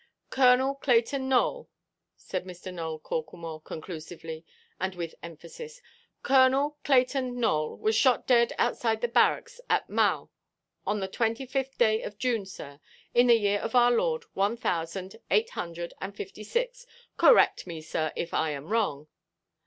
"Colonel Clayton Nowell," said Mr. Nowell Corklemore, conclusively, and with emphasis, "Colonel Clayton Nowell was shot dead outside the barracks at Mhow, on the 25th day of June, sir, in the year of our Lord one thousand eight hundred and fifty–six. Correct me, sir, if I am wrong."